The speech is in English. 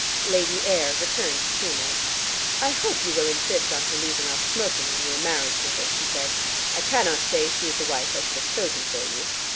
Lady Ayr returned to Seymour. "I hope you will insist on her leaving off smoking when you are married to her," she said. "I cannot say she is the wife I should have chosen for you."